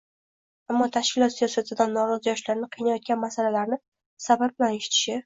ammo tashkilot siyosatidan norozi yoshlarni qiynayotgan masalalarni sabr bilan eshitishi